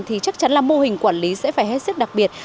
thì chắc chắn là mô hình quản lý sẽ phải hết sức đặc biệt